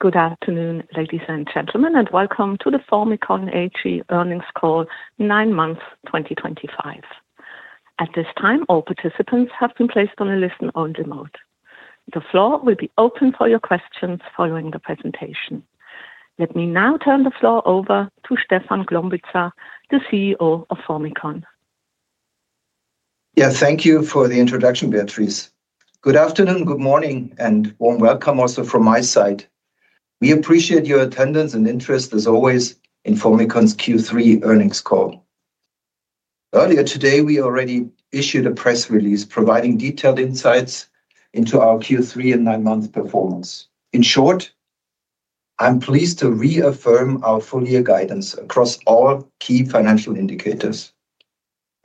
Good afternoon, ladies and gentlemen, and welcome to the Formycon AG earnings call, nine months 2025. At this time, all participants have been placed on a listen-only mode. The floor will be open for your questions following the presentation. Let me now turn the floor over to Stefan Glombitza, the CEO of Formycon. Yeah, thank you for the introduction, Beatrice. Good afternoon, good morning, and warm welcome also from my side. We appreciate your attendance and interest, as always, in Formycon's Q3 earnings call. Earlier today, we already issued a press release providing detailed insights into our Q3 and nine-month performance. In short, I'm pleased to reaffirm our full-year guidance across all key financial indicators.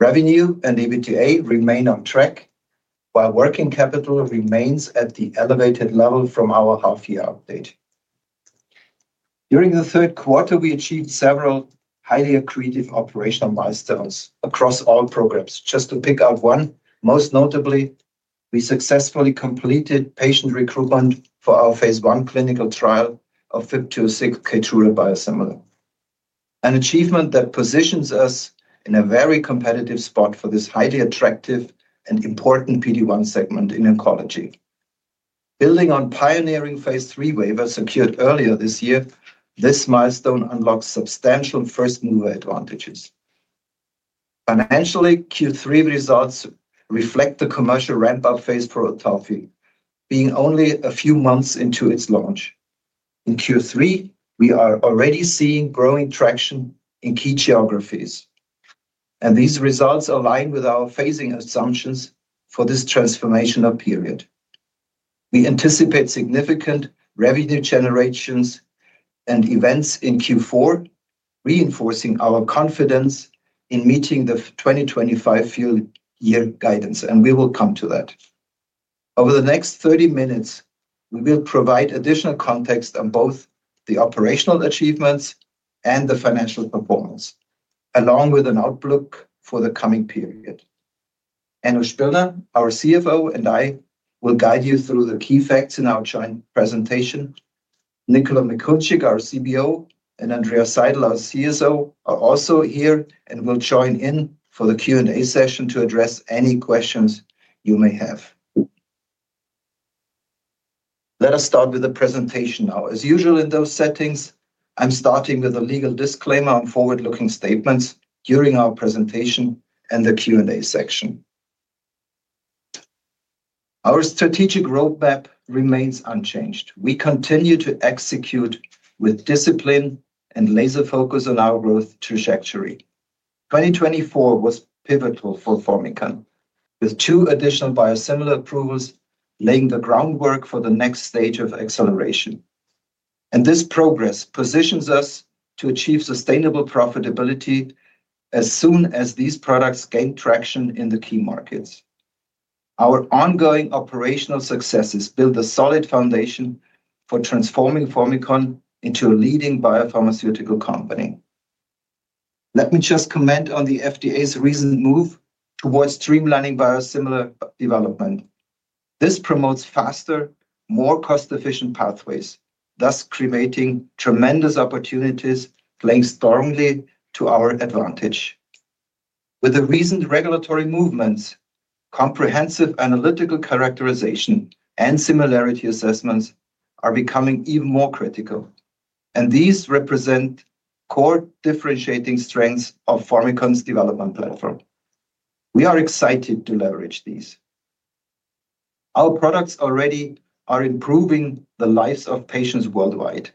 Revenue and EBITDA remain on track, while working capital remains at the elevated level from our half-year update. During the third quarter, we achieved several highly accretive operational milestones across all programs. Just to pick out one, most notably, we successfully completed patient recruitment for our phase I clinical trial of FYB206 Pembrolizumab biosimilar, an achievement that positions us in a very competitive spot for this highly attractive and important PD-1 segment in oncology. Building on pioneering phase three waiver secured earlier this year, this milestone unlocks substantial first-mover advantages. Financially, Q3 results reflect the commercial ramp-up phase for OTAFI, being only a few months into its launch. In Q3, we are already seeing growing traction in key geographies, and these results align with our phasing assumptions for this transformational period. We anticipate significant revenue generations and events in Q4, reinforcing our confidence in meeting the 2025 full year guidance, and we will come to that. Over the next 30 minutes, we will provide additional context on both the operational achievements and the financial performance, along with an outlook for the coming period. Enno Spillner, our CFO, and I will guide you through the key facts in our joint presentation. Nicola Mikulcik, our CBO, and Andreas Seidl, our CSO, are also here and will join in for the Q&A session to address any questions you may have. Let us start with the presentation now. As usual, in those settings, I am starting with a legal disclaimer on forward-looking statements during our presentation and the Q&A section. Our strategic roadmap remains unchanged. We continue to execute with discipline and laser focus on our growth trajectory. 2024 was pivotal for Formycon with two additional biosimilar approvals laying the groundwork for the next stage of acceleration. This progress positions us to achieve sustainable profitability as soon as these products gain traction in the key markets. Our ongoing operational successes build a solid foundation for transforming Formycon into a leading biopharmaceutical company. Let me just comment on the FDA's recent move towards streamlining biosimilar development. This promotes faster, more cost-efficient pathways, thus creating tremendous opportunities playing strongly to our advantage. With the recent regulatory movements, comprehensive analytical characterization and similarity assessments are becoming even more critical, and these represent core differentiating strengths of Formycon's development platform. We are excited to leverage these. Our products already are improving the lives of patients worldwide.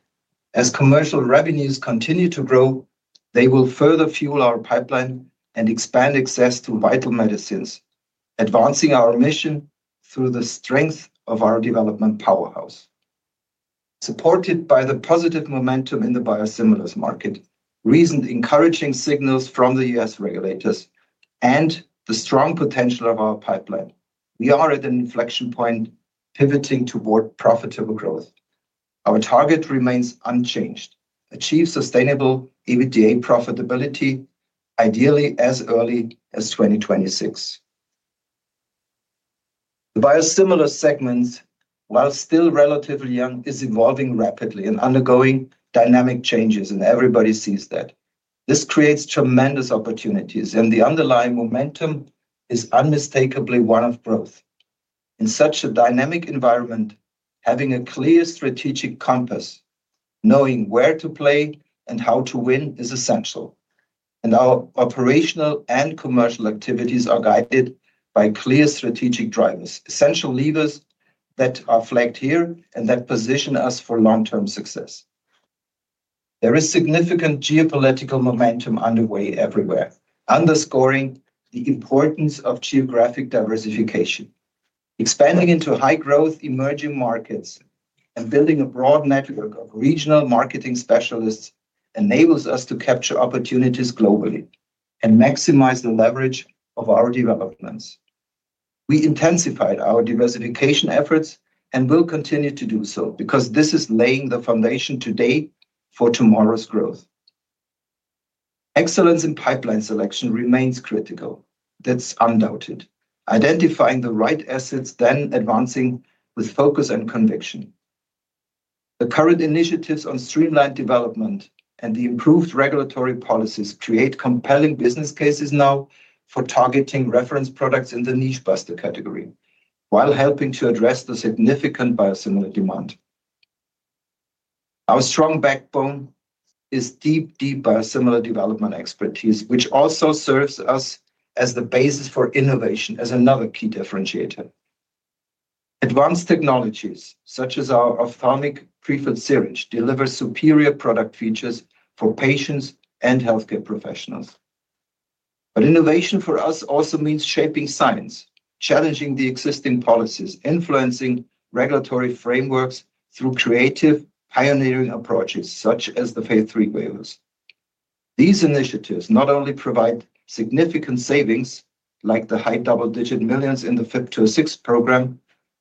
As commercial revenues continue to grow, they will further fuel our pipeline and expand access to vital medicines, advancing our mission through the strength of our development powerhouse. Supported by the positive momentum in the biosimilars market, recent encouraging signals from the U.S. regulators, and the strong potential of our pipeline, we are at an inflection point pivoting toward profitable growth. Our target remains unchanged: achieve sustainable EBITDA profitability, ideally as early as 2026. The biosimilar segment, while still relatively young, is evolving rapidly and undergoing dynamic changes, and everybody sees that. This creates tremendous opportunities, and the underlying momentum is unmistakably one of growth. In such a dynamic environment, having a clear strategic compass, knowing where to play and how to win is essential, and our operational and commercial activities are guided by clear strategic drivers, essential levers that are flagged here and that position us for long-term success. There is significant geopolitical momentum underway everywhere, underscoring the importance of geographic diversification. Expanding into high-growth emerging markets and building a broad network of regional marketing specialists enables us to capture opportunities globally and maximize the leverage of our developments. We intensified our diversification efforts and will continue to do so because this is laying the foundation today for tomorrow's growth. Excellence in pipeline selection remains critical. That's undoubted. Identifying the right assets, then advancing with focus and conviction. The current initiatives on streamlined development and the improved regulatory policies create compelling business cases now for targeting reference products in the niche buster category while helping to address the significant biosimilar demand. Our strong backbone is deep, deep biosimilar development expertise, which also serves us as the basis for innovation as another key differentiator. Advanced technologies such as our ophthalmic prefilled syringe deliver superior product features for patients and healthcare professionals. Innovation for us also means shaping science, challenging the existing policies, influencing regulatory frameworks through creative, pioneering approaches such as the phase three waivers. These initiatives not only provide significant savings like the high double-digit millions in the FYB206 program,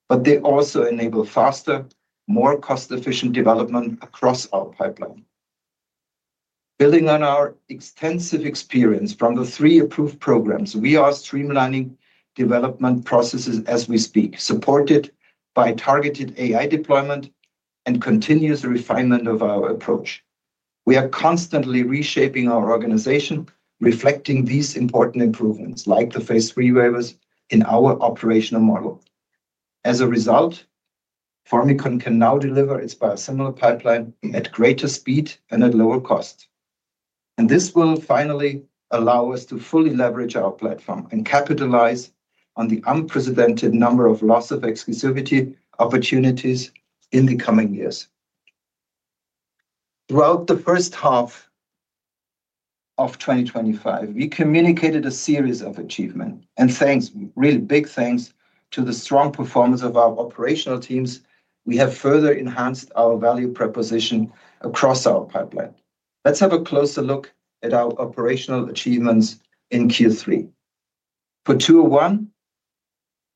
but they also enable faster, more cost-efficient development across our pipeline. Building on our extensive experience from the three approved programs, we are streamlining development processes as we speak, supported by targeted AI deployment and continuous refinement of our approach. We are constantly reshaping our organization, reflecting these important improvements like the phase three waivers in our operational model. As a result, Formycon can now deliver its biosimilar pipeline at greater speed and at lower costs. This will finally allow us to fully leverage our platform and capitalize on the unprecedented number of loss of exclusivity opportunities in the coming years. Throughout the first half of 2025, we communicated a series of achievements, and thanks, really big thanks to the strong performance of our operational teams. We have further enhanced our value proposition across our pipeline. Let's have a closer look at our operational achievements in Q3. For FYB201,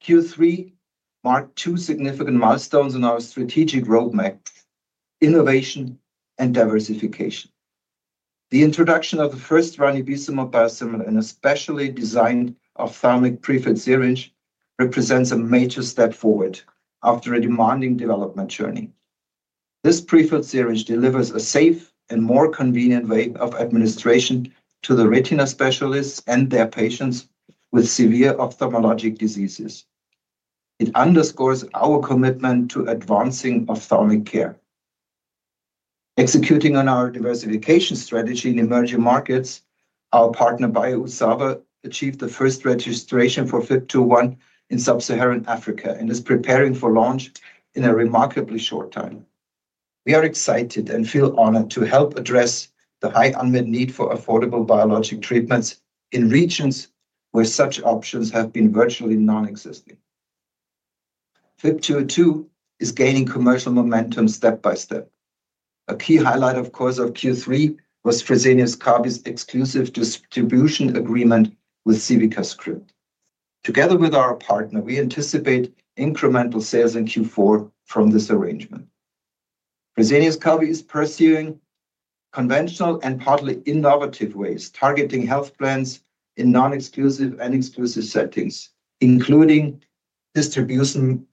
Q3 marked two significant milestones in our strategic roadmap: innovation and diversification. The introduction of the first running biosimilar and especially designed ophthalmic prefilled syringe represents a major step forward after a demanding development journey. This prefilled syringe delivers a safe and more convenient way of administration to the retina specialists and their patients with severe ophthalmologic diseases. It underscores our commitment to advancing ophthalmic care. Executing on our diversification strategy in emerging markets, our partner Biosava achieved the first registration for FYB201 in sub-Saharan Africa and is preparing for launch in a remarkably short time. We are excited and feel honored to help address the high unmet need for affordable biologic treatments in regions where such options have been virtually nonexistent. FYB202 is gaining commercial momentum step by step. A key highlight, of course, of Q3 was Fresenius Kabi's exclusive distribution agreement with CivicaScipt. Together with our partner, we anticipate incremental sales in Q4 from this arrangement. Fresenius Kabi is pursuing conventional and partly innovative ways, targeting health plans in non-exclusive and exclusive settings, including distribution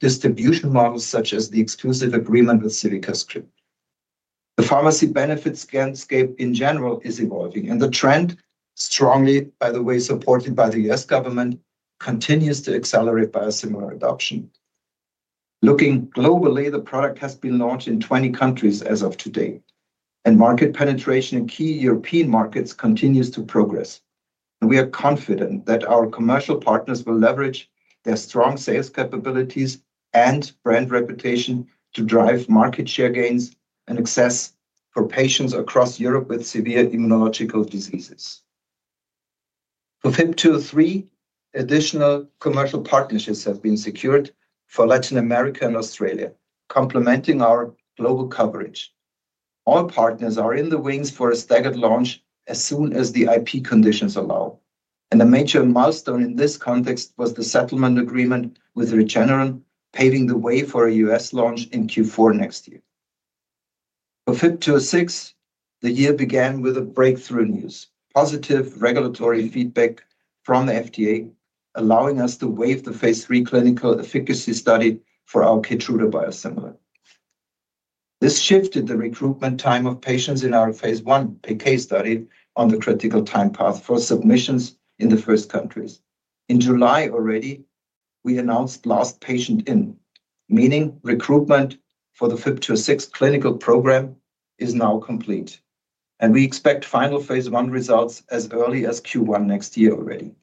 models such as the exclusive agreement with CivicaScript. The pharmacy benefits landscape in general is evolving, and the trend, strongly by the way supported by the U.S. government, continues to accelerate biosimilar adoption. Looking globally, the product has been launched in 20 countries as of today, and market penetration in key European markets continues to progress. We are confident that our commercial partners will leverage their strong sales capabilities and brand reputation to drive market share gains and access for patients across Europe with severe immunological diseases. For FYB203, additional commercial partnerships have been secured for Latin America and Australia, complementing our global coverage. All partners are in the wings for a staggered launch as soon as the IP conditions allow. A major milestone in this context was the settlement agreement with Regeneron, paving the way for a U.S. launch in Q4 next year. For FYB206, the year began with breakthrough news: positive regulatory feedback from the FDA, allowing us to waive the phase three clinical efficacy study for our Keytruda biosimilar. This shifted the recruitment time of patients in our phase one PK study on the critical time path for submissions in the first countries. In July already, we announced last patient in, meaning recruitment for the FYB206 clinical program is now complete, and we expect final phase one results as early as Q1 next year already.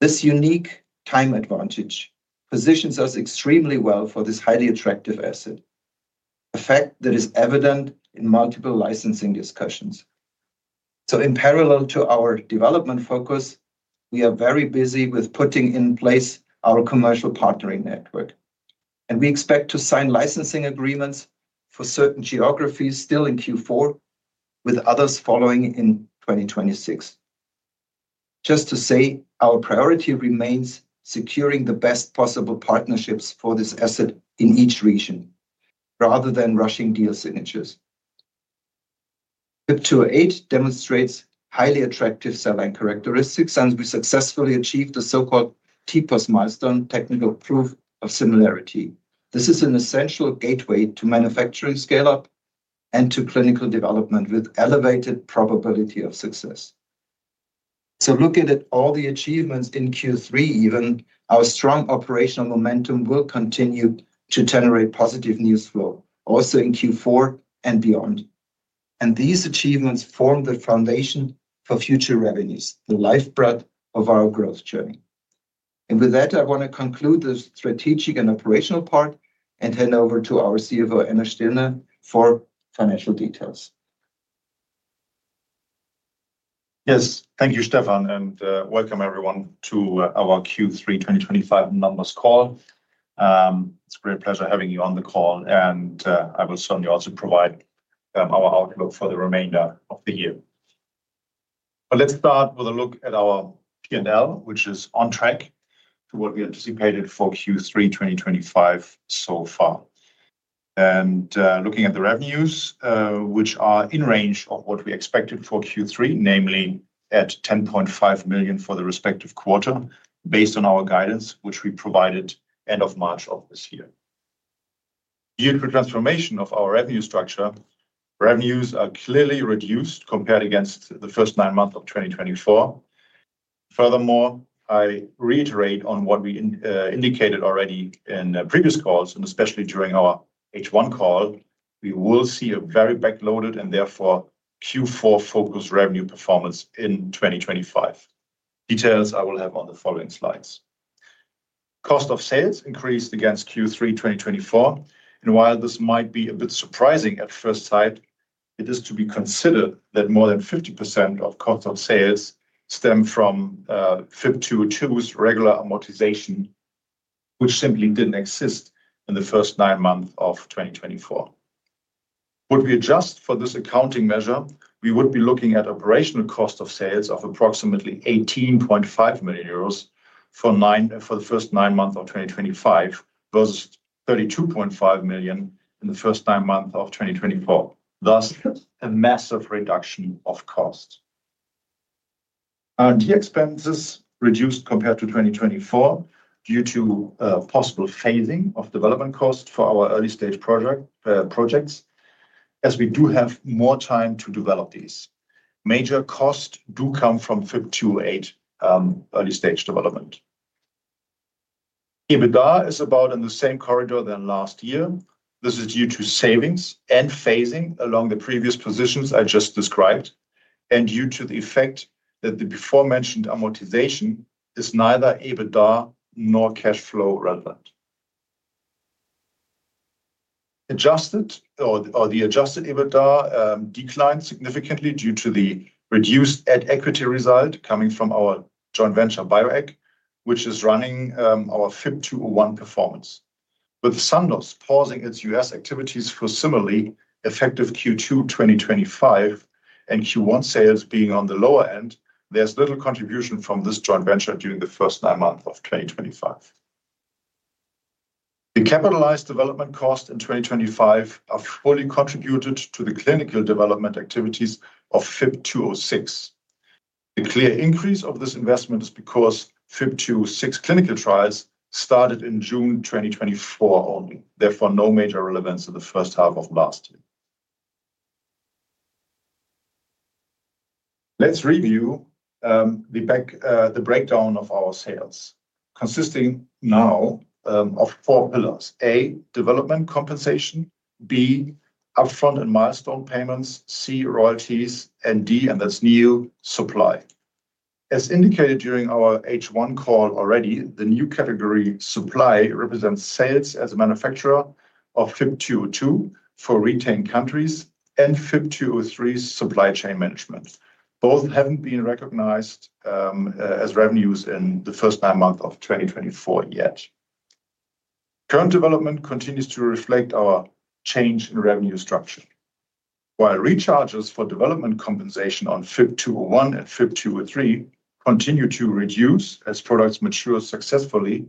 This unique time advantage positions us extremely well for this highly attractive asset, a fact that is evident in multiple licensing discussions. In parallel to our development focus, we are very busy with putting in place our commercial partnering network, and we expect to sign licensing agreements for certain geographies still in Q4, with others following in 2026. Just to say, our priority remains securing the best possible partnerships for this asset in each region rather than rushing deal signatures. FYB208 demonstrates highly attractive selling characteristics since we successfully achieved the so-called TPOS milestone technical proof of similarity. This is an essential gateway to manufacturing scale-up and to clinical development with elevated probability of success. Looking at all the achievements in Q3, even our strong operational momentum will continue to generate positive news flow, also in Q4 and beyond. These achievements form the foundation for future revenues, the lifeblood of our growth journey. With that, I want to conclude the strategic and operational part and hand over to our CFO, Enno Spillner, for financial details. Yes, thank you, Stefan, and welcome everyone to our Q3 2025 Numbers call. It is a great pleasure having you on the call, and I will certainly also provide our outlook for the remainder of the year. Let us start with a look at our P&L, which is on track to what we anticipated for Q3 2025 so far. Looking at the revenues, which are in range of what we expected for Q3, namely at 10.5 million for the respective quarter based on our guidance, which we provided end of March of this year. Due to the transformation of our revenue structure, revenues are clearly reduced compared against the first nine months of 2024. Furthermore, I reiterate on what we indicated already in previous calls, and especially during our H1 call, we will see a very backloaded and therefore Q4 focused revenue performance in 2025. Details I will have on the following slides. Cost of sales increased against Q3 2024. While this might be a bit surprising at first sight, it is to be considered that more than 50% of cost of sales stem from FYB202's regular amortization, which simply did not exist in the first nine months of 2024. Would we adjust for this accounting measure? We would be looking at operational cost of sales of approximately 18.5 million euros for the first nine months of 2025 versus 32.5 million in the first nine months of 2024. Thus, a massive reduction of cost. Our T expenses reduced compared to 2024 due to possible phasing of development cost for our early stage projects as we do have more time to develop these. Major costs do come from FYB208 early stage development. EBITDA is about in the same corridor than last year. This is due to savings and phasing along the previous positions I just described and due to the effect that the before-mentioned amortization is neither EBITDA nor cash flow relevant. Adjusted or the adjusted EBITDA declined significantly due to the reduced equity result coming from our joint venture Bioeq, which is running our FYB201 performance. With the Sun Pharma pausing its U.S. activities for similarly effective Q2 2025 and Q1 sales being on the lower end, there's little contribution from this joint venture during the first nine months of 2025. The capitalized development cost in 2025 are fully contributed to the clinical development activities of FYB206. The clear increase of this investment is because FYB206 clinical trials started in June 2024 only, therefore no major relevance in the first half of last year. Let's review the breakdown of our sales consisting now of four pillars: A, development compensation; B, upfront and milestone payments; C, royalties; and D, and that's new, supply. As indicated during our H1 call already, the new category supply represents sales as a manufacturer of FYB202 for retained countries and FYB203 supply chain management. Both haven't been recognized as revenues in the first nine months of 2024 yet. Current development continues to reflect our change in revenue structure. While recharges for development compensation on FYB201 and FYB203 continue to reduce as products mature successfully,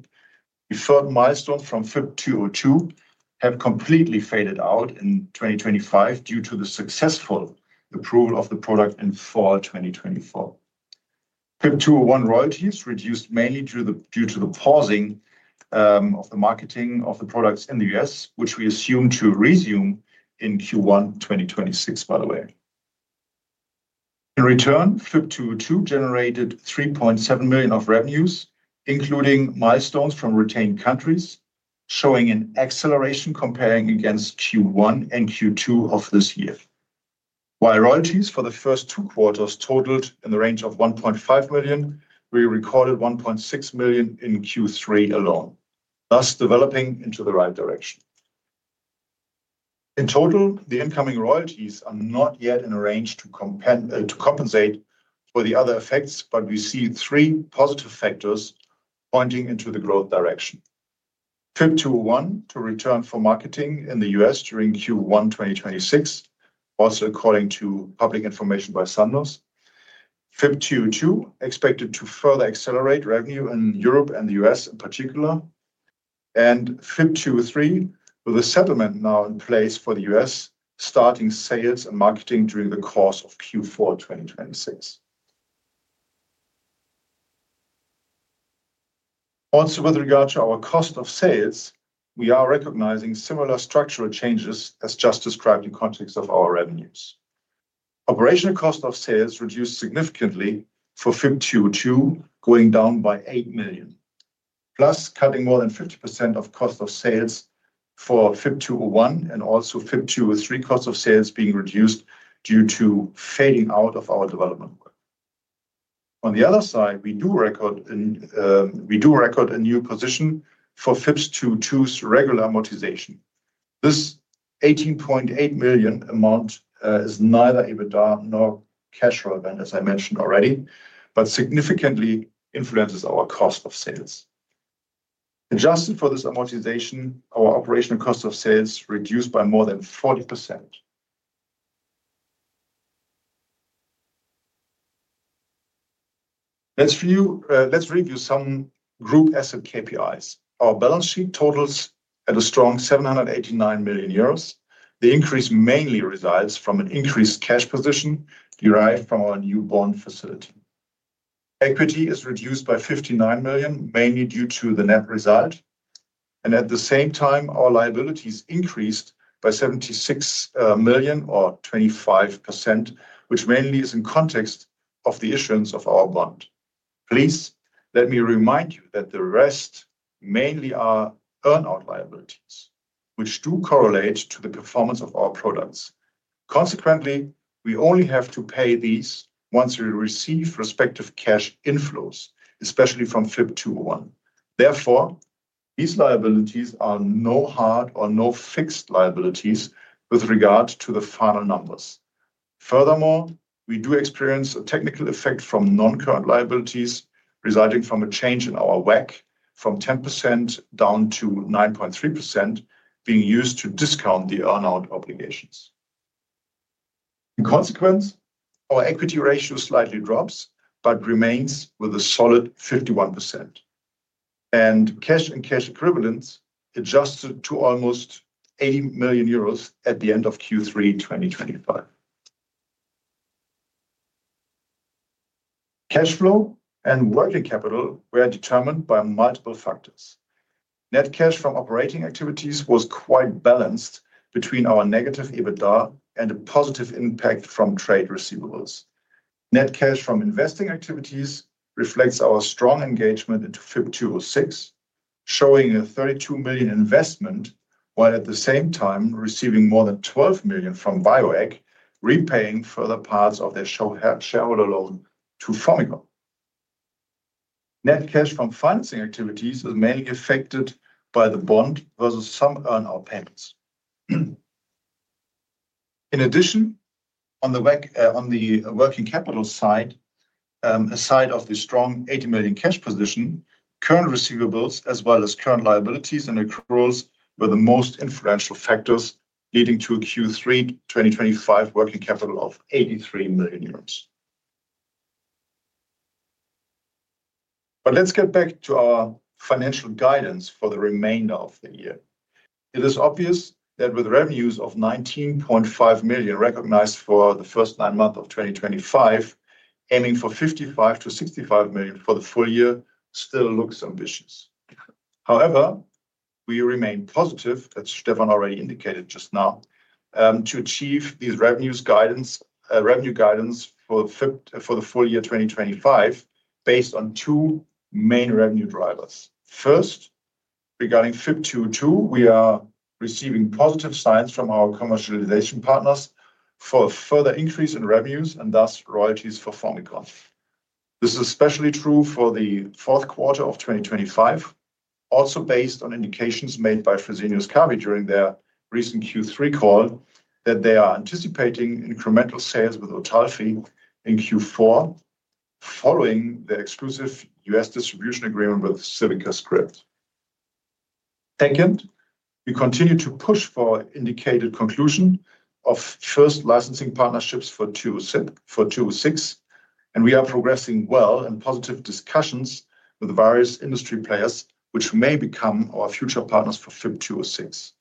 the third milestone from FYB202 has completely faded out in 2025 due to the successful approval of the product in fall 2024. FYB201 royalties reduced mainly due to the pausing of the marketing of the products in the U.S., which we assume to resume in Q1 2026, by the way. In return, FYB202 generated 3.7 million of revenues, including milestones from retained countries, showing an acceleration comparing against Q1 and Q2 of this year. While royalties for the first two quarters totaled in the range of 1.5 million, we recorded 1.6 million in Q3 alone, thus developing into the right direction. In total, the incoming royalties are not yet in a range to compensate for the other effects, but we see three positive factors pointing into the growth direction. FYB201 to return for marketing in the U.S. during Q1 2026, also according to public information by Sun Pharma. FYB202 expected to further accelerate revenue in Europe and the U.S. in particular, and FYB203 with a settlement now in place for the U.S. starting sales and marketing during the course of Q4 2026. Also, with regard to our cost of sales, we are recognizing similar structural changes as just described in context of our revenues. Operational cost of sales reduced significantly for FYB202, going down by 8 million, plus cutting more than 50% of cost of sales for FYB201 and also FYB203 cost of sales being reduced due to fading out of our development work. On the other side, we do record a new position for FYB202's regular amortization. This 18.8 million amount is neither EBITDA nor cash relevant, as I mentioned already, but significantly influences our cost of sales. Adjusted for this amortization, our operational cost of sales reduced by more than 40%. Let's review some group asset KPIs. Our balance sheet totals at a strong 789 million euros. The increase mainly results from an increased cash position derived from our newborn facility. Equity is reduced by 59 million, mainly due to the net result. At the same time, our liabilities increased by 76 million or 25%, which mainly is in context of the issuance of our bond. Please let me remind you that the rest mainly are earn-out liabilities, which do correlate to the performance of our products. Consequently, we only have to pay these once we receive respective cash inflows, especially from FYB201. Therefore, these liabilities are no hard or no fixed liabilities with regard to the final numbers. Furthermore, we do experience a technical effect from non-current liabilities resulting from a change in our WACC from 10% down to 9.3% being used to discount the earn-out obligations. In consequence, our equity ratio slightly drops, but remains with a solid 51%. Cash and cash equivalents adjusted to almost 80 million euros at the end of Q3 2025. Cash flow and working capital were determined by multiple factors. Net cash from operating activities was quite balanced between our negative EBITDA and a positive impact from trade receivables. Net cash from investing activities reflects our strong engagement into FYB206, showing a 32 million investment while at the same time receiving more than 12 million from Bioeq, repaying further parts of their shareholder loan to Formycon. Net cash from financing activities is mainly affected by the bond versus some earn-out payments. In addition, on the working capital side, aside of the strong 80 million cash position, current receivables as well as current liabilities and accruals were the most influential factors leading to a Q3 2025 working capital of 83 million euros. Let's get back to our financial guidance for the remainder of the year. It is obvious that with revenues of 19.5 million recognized for the first nine months of 2025, aiming for 55-65 million for the full year still looks ambitious. However, we remain positive, as Stefan already indicated just now, to achieve these revenue guidance for the full year 2025 based on two main revenue drivers. First, regarding FYB202, we are receiving positive signs from our commercialization partners for a further increase in revenues and thus royalties for Formycon. This is especially true for the fourth quarter of 2025, also based on indications made by Fresenius Kabi during their recent Q3 call that they are anticipating incremental sales with OTAFI in Q4 following the exclusive US distribution agreement with CivicaScript. Second, we continue to push for indicated conclusion of first licensing partnerships for FYB206, and we are progressing well in positive discussions with various industry players which may become our future partners for FYB206.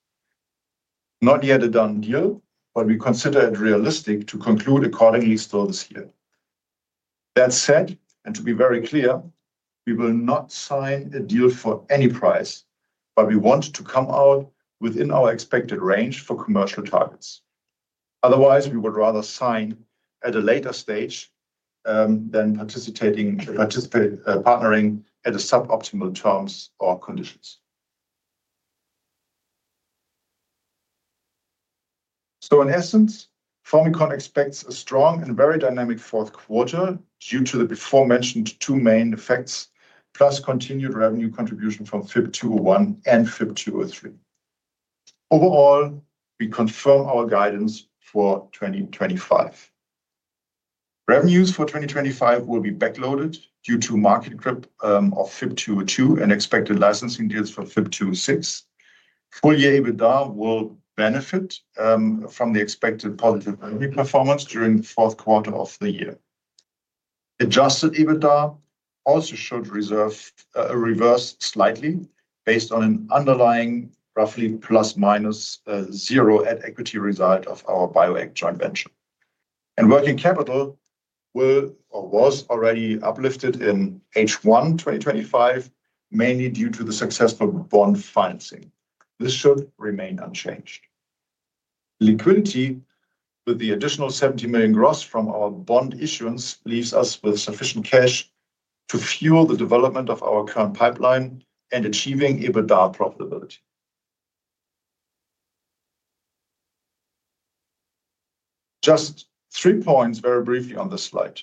Not yet a done deal, but we consider it realistic to conclude accordingly still this year. That said, and to be very clear, we will not sign a deal for any price, but we want to come out within our expected range for commercial targets. Otherwise, we would rather sign at a later stage than partnering at suboptimal terms or conditions. In essence, Formycon expects a strong and very dynamic fourth quarter due to the before-mentioned two main effects, plus continued revenue contribution from FYB201 and FYB203. Overall, we confirm our guidance for 2025. Revenues for 2025 will be backloaded due to market grip of FYB202 and expected licensing deals for FYB206. Full year EBITDA will benefit from the expected positive revenue performance during the fourth quarter of the year. Adjusted EBITDA also showed a reverse slightly based on an underlying roughly +-0 at equity result of our Bioeq joint venture. Working capital was already uplifted in H1 2025, mainly due to the successful bond financing. This should remain unchanged. Liquidity with the additional 70 million gross from our bond issuance leaves us with sufficient cash to fuel the development of our current pipeline and achieving EBITDA profitability. Just three points very briefly on this slide.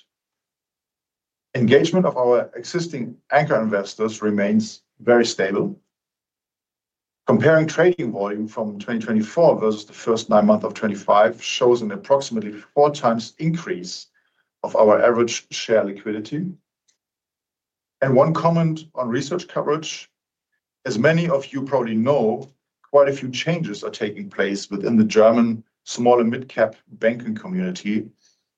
Engagement of our existing anchor investors remains very stable. Comparing trading volume from 2024 versus the first nine months of 2025 shows an approximately four times increase of our average share liquidity. One comment on research coverage. As many of you probably know, quite a few changes are taking place within the German small and mid-cap banking community,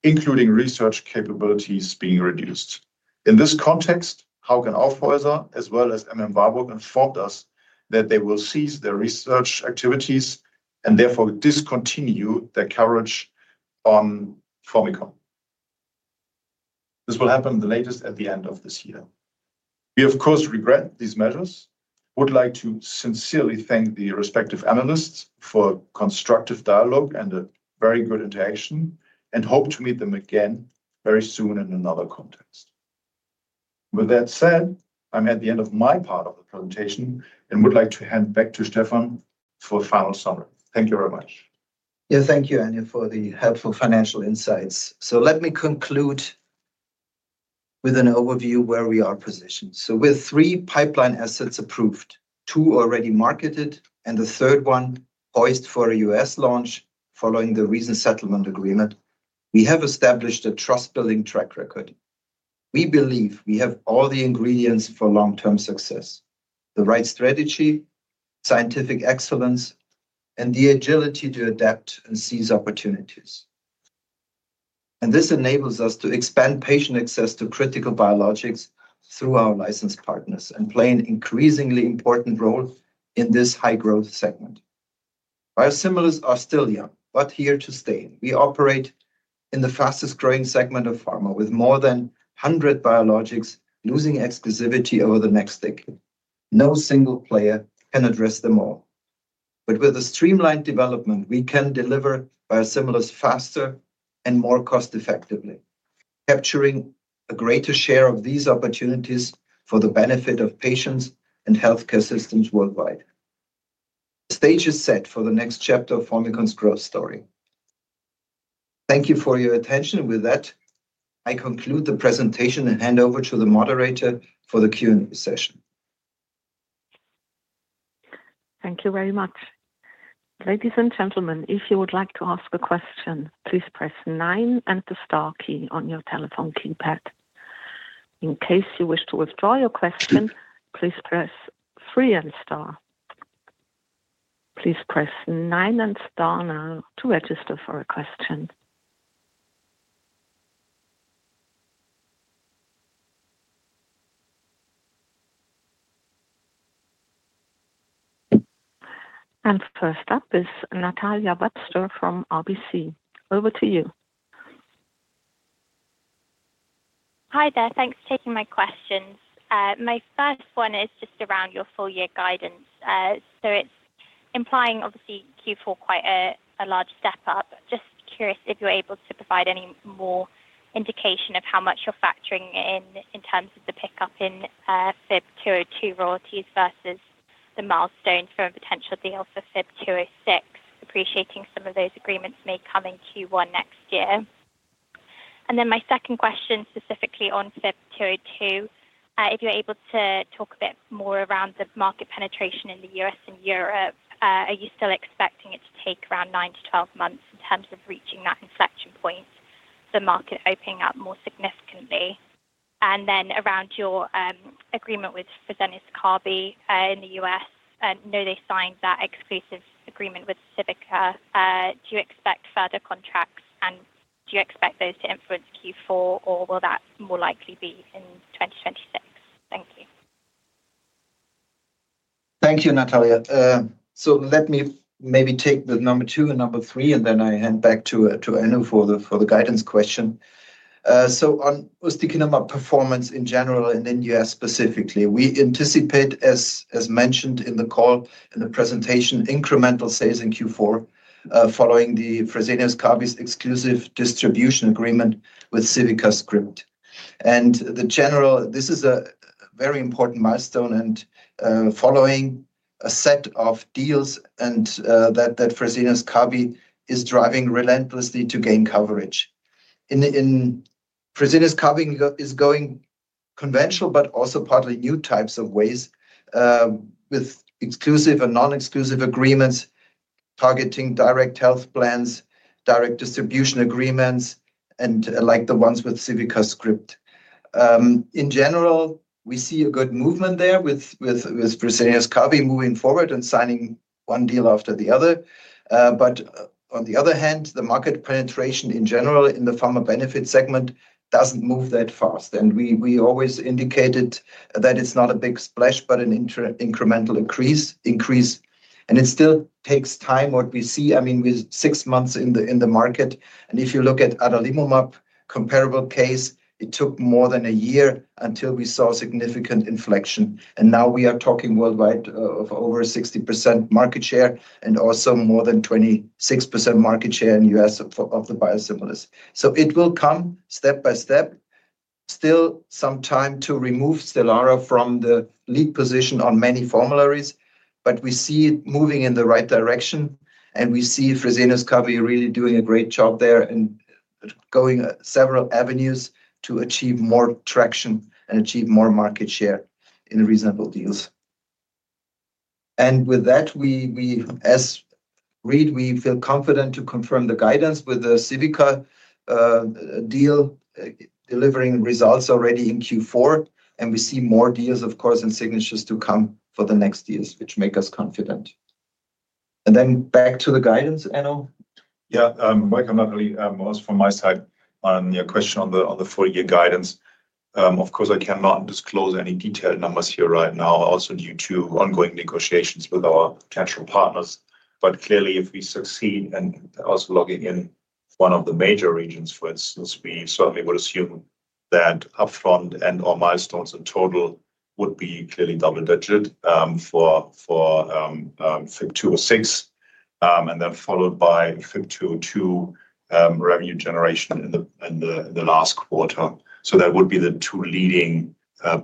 including research capabilities being reduced. In this context, Hauck Aufhäuser, as well as M.M. Warburg, informed us that they will cease their research activities and therefore discontinue their coverage on Formycon. This will happen latest at the end of this year. We, of course, regret these measures. Would like to sincerely thank the respective analysts for constructive dialogue and a very good interaction and hope to meet them again very soon in another context. With that said, I'm at the end of my part of the presentation and would like to hand back to Stefan for a final summary. Thank you very much. Yeah, thank you, Enno, for the helpful financial insights. Let me conclude with an overview of where we are positioned. With three pipeline assets approved, two already marketed, and the third one poised for a U.S. launch following the recent settlement agreement, we have established a trust-building track record. We believe we have all the ingredients for long-term success: the right strategy, scientific excellence, and the agility to adapt and seize opportunities. This enables us to expand patient access to critical biologics through our licensed partners and play an increasingly important role in this high-growth segment. Biosimilars are still young, but here to stay. We operate in the fastest-growing segment of pharma with more than 100 biologics losing exclusivity over the next decade. No single player can address them all. With a streamlined development, we can deliver biosimilars faster and more cost-effectively, capturing a greater share of these opportunities for the benefit of patients and healthcare systems worldwide. The stage is set for the next chapter of Formycon's growth story. Thank you for your attention. With that, I conclude the presentation and hand over to the moderator for the Q&A session. Thank you very much. Ladies and gentlemen, if you would like to ask a question, please press nine and the star key on your telephone keypad. In case you wish to withdraw your question, please press three and star. Please press nine and star now to register for a question. First up is Natalia Webster from RBC. Over to you. Hi there. Thanks for taking my questions. My first one is just around your full year guidance. So it's implying, obviously, Q4 quite a large step up. Just curious if you're able to provide any more indication of how much you're factoring in in terms of the pickup in FYB202 royalties versus the milestones for a potential deal for FYB206, appreciating some of those agreements may come in Q1 next year. And then my second question specifically on FYB202, if you're able to talk a bit more around the market penetration in the U.S. and Europe, are you still expecting it to take around 9-12 months in terms of reaching that inflection point, the market opening up more significantly? And then around your agreement with Fresenius Kabi in the U.S., I know they signed that exclusive agreement with Civica. Do you expect further contracts, and do you expect those to influence Q4, or will that more likely be in 2026? Thank you. Thank you, Natalia. Let me maybe take the number two and number three, and then I hand back to Enno for the guidance question. On Ustekinumab performance in general and in the U.S. specifically, we anticipate, as mentioned in the call and the presentation, incremental sales in Q4 following the Fresenius Kabi exclusive distribution agreement with CivicaScript. This is a very important milestone and follows a set of deals that Fresenius Kabi is driving relentlessly to gain coverage. Fresenius Kabi is going conventional, but also partly new types of ways with exclusive and non-exclusive agreements targeting direct health plans, direct distribution agreements, and like the ones with CivicaScript. In general, we see a good movement there with Fresenius Kabi moving forward and signing one deal after the other. On the other hand, the market penetration in general in the pharma benefit segment does not move that fast. We always indicated that it is not a big splash, but an incremental increase. It still takes time. What we see, I mean, we are six months in the market. If you look at Adalimumab, comparable case, it took more than a year until we saw significant inflection. Now we are talking worldwide of over 60% market share and also more than 26% market share in the U.S. of the biosimilars. It will come step by step. Still some time to remove Stelara from the lead position on many formularies, but we see it moving in the right direction. We see Fresenius Kabi really doing a great job there and going several avenues to achieve more traction and achieve more market share in reasonable deals. With that, as read, we feel confident to confirm the guidance with the Civica deal, delivering results already in Q4. We see more deals, of course, and signatures to come for the next years, which makes us confident. Back to the guidance, Enno. Yeah, welcome, Natalia. Also from my side on your question on the full year guidance. Of course, I cannot disclose any detailed numbers here right now, also due to ongoing negotiations with our potential partners. Clearly, if we succeed and also logging in one of the major regions, for instance, we certainly would assume that upfront and/or milestones in total would be clearly double-digit for FYB206 and then followed by FYB202 revenue generation in the last quarter. That would be the two leading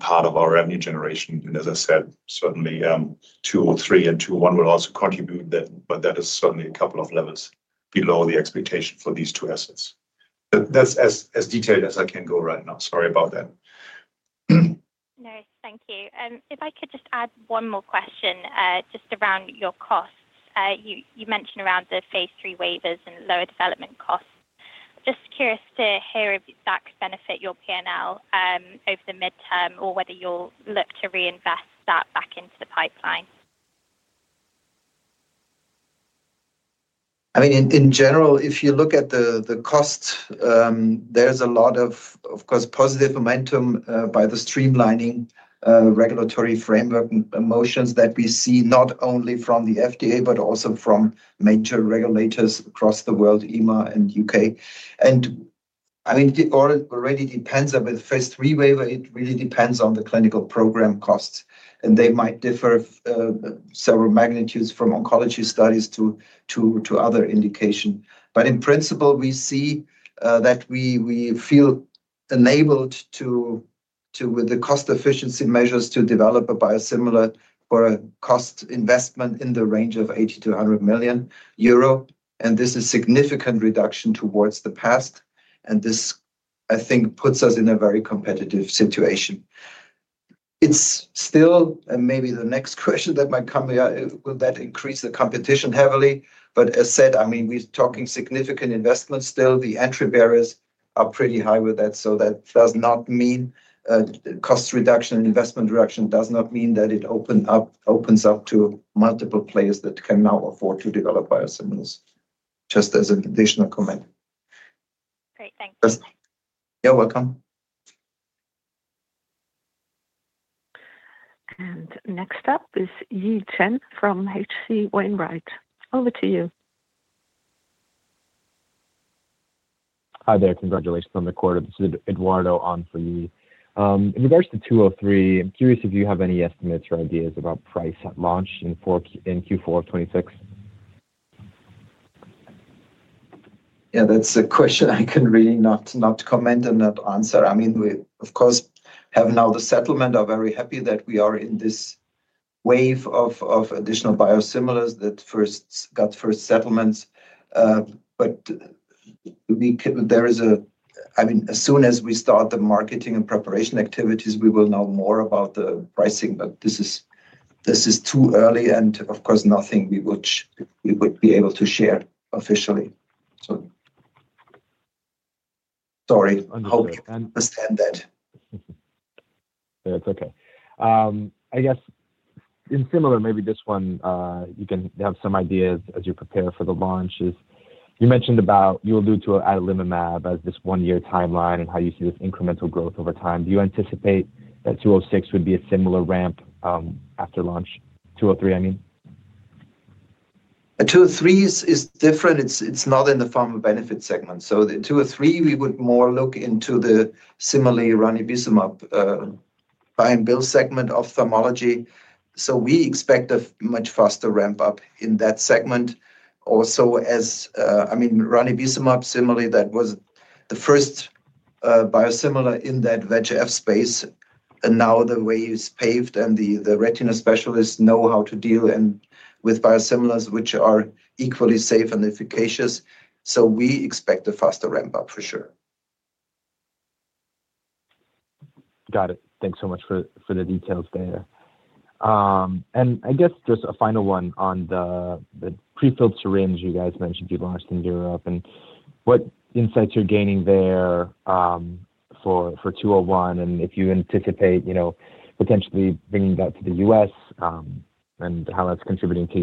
parts of our revenue generation. As I said, certainly Q3 and Q1 will also contribute to that, but that is certainly a couple of levels below the expectation for these two assets. That is as detailed as I can go right now. Sorry about that. No, thank you. If I could just add one more question just around your costs. You mentioned around the phase three waivers and lower development costs. Just curious to hear if that could benefit your P&L over the midterm or whether you will look to reinvest that back into the pipeline. I mean, in general, if you look at the costs, there's a lot of, of course, positive momentum by the streamlining regulatory framework motions that we see not only from the FDA, but also from major regulators across the world, EMA and U.K. I mean, it already depends on the phase three waiver. It really depends on the clinical program costs. They might differ several magnitudes from oncology studies to other indications. In principle, we see that we feel enabled with the cost efficiency measures to develop a biosimilar for a cost investment in the range of 80 million-100 million euro. This is a significant reduction towards the past. This, I think, puts us in a very competitive situation. It's still maybe the next question that might come here. Will that increase the competition heavily? As said, I mean, we're talking significant investment still. The entry barriers are pretty high with that. That does not mean cost reduction and investment reduction opens up to multiple players that can now afford to develop biosimilars. Just as an additional comment. Great. Thank you. You're welcome. Next up is Yi Chen from HC Wainwright. Over to you. Hi there. Congratulations on the quarter. This is Eduardo on for you. In regards to FYB203, I'm curious if you have any estimates or ideas about price at launch in Q4 of 2026. Yeah, that's a question I can really not comment and not answer. I mean, we, of course, have now the settlement. We are very happy that we are in this wave of additional biosimilars that got first settlements. There is a, I mean, as soon as we start the marketing and preparation activities, we will know more about the pricing. This is too early. Of course, nothing we would be able to share officially. Sorry. I hope you understand that. That's okay. I guess in similar, maybe this one, you can have some ideas as you prepare for the launch. You mentioned about you will do to Adalimumab as this one-year timeline and how you see this incremental growth over time. Do you anticipate that FYB206 would be a similar ramp after launch? FYB203, I mean. FYB203 is different. It's not in the pharma benefit segment. In FYB203, we would more look into the similarly Ranibizumab buy and build segment of pharmology. We expect a much faster ramp up in that segment. Also, I mean, Ranibizumab, similarly, that was the first biosimilar in that VEGF space. Now the way it's paved and the retina specialists know how to deal with biosimilars which are equally safe and efficacious. We expect a faster ramp up for sure. Got it. Thanks so much for the details there. I guess just a final one on the prefilled syringes you guys mentioned you launched in Europe and what insights you're gaining there for FYB201 and if you anticipate potentially bringing that to the U.S. and how that's contributing to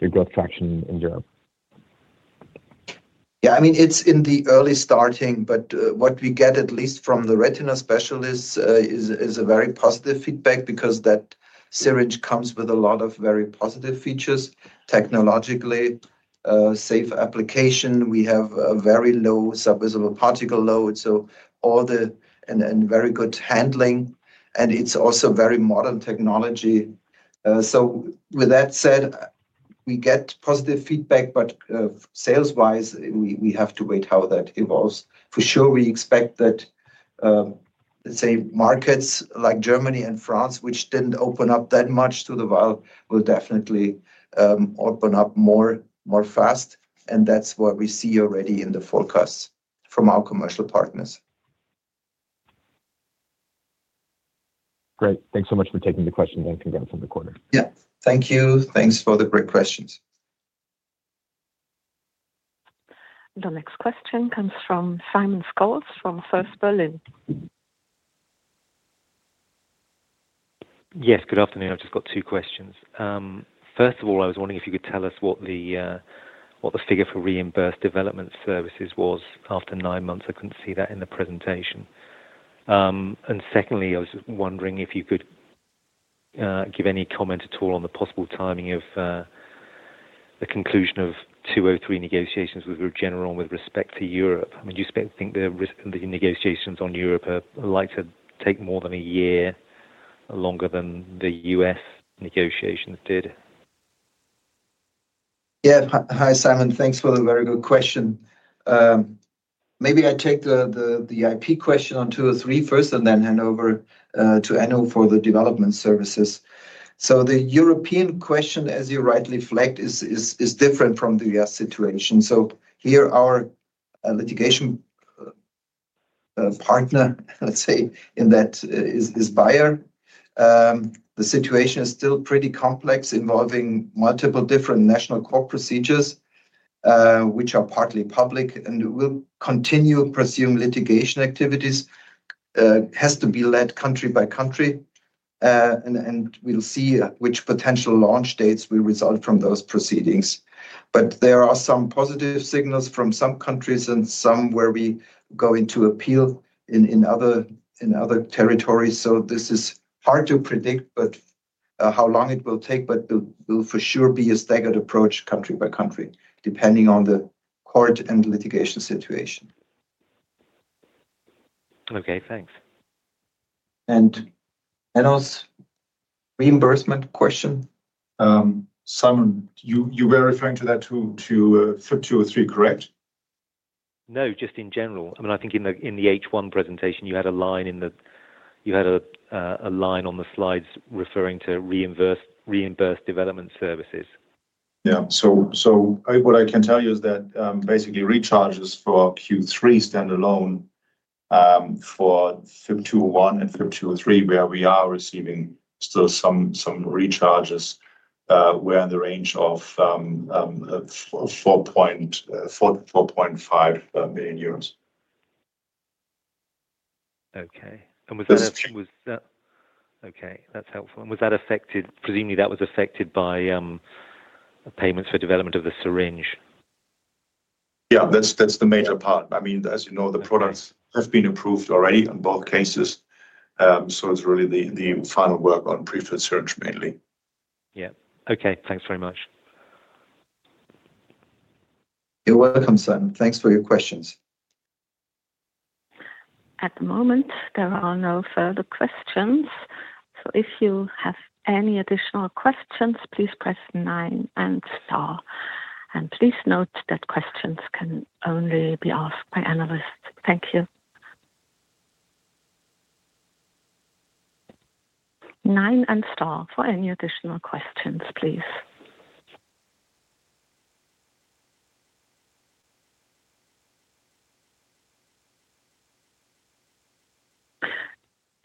your growth traction in Europe. Yeah, I mean, it's in the early starting, but what we get at least from the retina specialists is a very positive feedback because that syringe comes with a lot of very positive features. Technologically, safe application. We have a very low subvisible particle load. All the and very good handling. It is also very modern technology. With that said, we get positive feedback, but sales-wise, we have to wait how that evolves. For sure, we expect that, let's say, markets like Germany and France, which did not open up that much to the while, will definitely open up more fast. That is what we see already in the forecasts from our commercial partners. Great. Thanks so much for taking the question. Thank you again for the quarter. Yeah. Thank you. Thanks for the great questions. The next question comes from Simon Scholes from First Berlin. Yes, good afternoon. I have just got two questions. First of all, I was wondering if you could tell us what the figure for reimbursed development services was after nine months. I could not see that in the presentation. Secondly, I was wondering if you could give any comment at all on the possible timing of the conclusion of FYB203 negotiations with Regeneron with respect to Europe. I mean, do you think the negotiations on Europe are likely to take more than a year, longer than the U.S. negotiations did? Yeah. Hi, Simon. Thanks for the very good question. Maybe I take the IP question on 203 first and then hand over to Anu for the development services. The European question, as you rightly flagged, is different from the U.S. situation. Here our litigation partner, let's say, in that is Bayer. The situation is still pretty complex involving multiple different national court procedures, which are partly public, and we will continue to pursue litigation activities. It has to be led country by country. We will see which potential launch dates will result from those proceedings. There are some positive signals from some countries and some where we go into appeal in other territories. This is hard to predict how long it will take, but it will for sure be a staggered approach country by country, depending on the court and litigation situation. Okay. Thanks. And Enno's reimbursement question. Simon, you were referring to that to FYB203, correct? No, just in general. I mean, I think in the H1 presentation, you had a line in the, you had a line on the slides referring to reimbursed development services. Yeah. What I can tell you is that basically recharges for Q3 stand alone for FYB201 and FYB203, where we are receiving still some recharges, were in the range of 4.5 million euros. Okay. And was that okay. That's helpful. And was that affected? Presumably, that was affected by payments for development of the syringe. Yeah, that's the major part. I mean, as you know, the products have been approved already in both cases. It is really the final work on prefilled syringe mainly. Yeah. Okay. Thanks very much. You're welcome, Simon. Thanks for your questions. At the moment, there are no further questions. If you have any additional questions, please press nine and star. Please note that questions can only be asked by analysts. Thank you. Nine and star for any additional questions, please.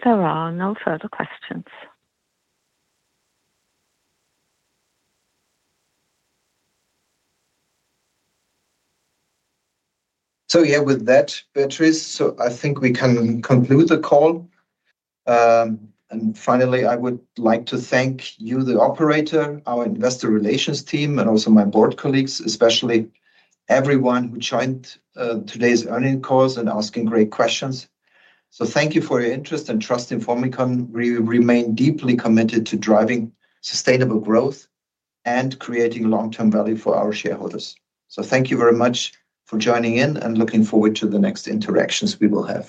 There are no further questions. With that, Beatrice, I think we can conclude the call. Finally, I would like to thank you, the operator, our investor relations team, and also my board colleagues, especially everyone who joined today's earnings call and asked great questions. Thank you for your interest and trust in Formycon. We remain deeply committed to driving sustainable growth and creating long-term value for our shareholders. Thank you very much for joining in and looking forward to the next interactions we will have.